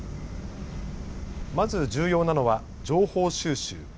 まず重要なのは情報収集。